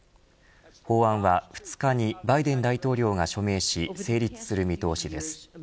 法案は２日にバイデン大統領が署名し成立する見通しです。